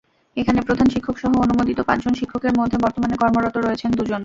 এখানে প্রধান শিক্ষকসহ অনুমোদিত পাঁচজন শিক্ষকের মধ্যে বর্তমানে কর্মরত রয়েছেন দুজন।